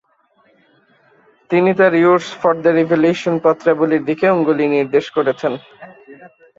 তিনি তার "yours for the revolution" পত্রাবলীর দিকে অঙ্গুলী নির্দেশ করেছেন।